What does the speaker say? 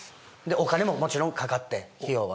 お金ももちろんかかって費用は。